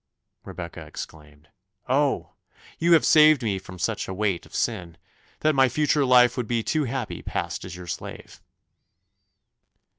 Rebecca exclaimed, "Oh! you have saved me from such a weight of sin, that my future life would be too happy passed as your slave."